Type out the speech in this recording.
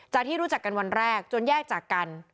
ที่รู้จักกันวันแรกจนแยกจากกัน